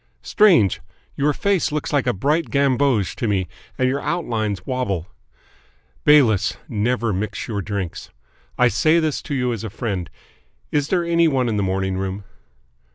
"Strange! Your face looks a bright gamboge to me, and your outlines wobble. Bayliss, never mix your drinks. I say this to you as a friend. Is there any one in the morning room?"